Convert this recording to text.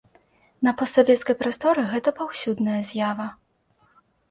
На постсавецкай прасторы гэта паўсюдная з'ява.